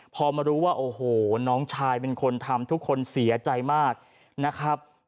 พอมารู้ว่าโอ้โหน้องชายเป็นคนทำทุกคนเสียใจมากนะครับ